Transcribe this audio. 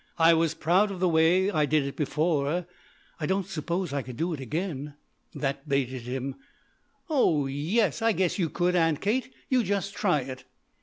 I was proud of the way I did that before. I don't suppose I could do it again." That baited him. "Oh yes, I guess you could, Aunt Kate. You just try it."